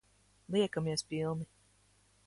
Liekamies pilni.